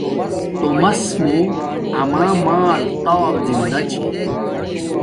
تومس موں اما مال تال زندہ چھے